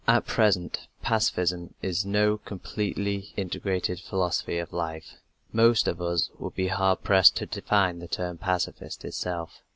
At present pacifism is no completely integrated philosophy of life. Most of us would be hard pressed to define the term "pacifist" itself.